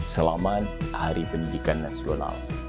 selamat hari pendidikan nasional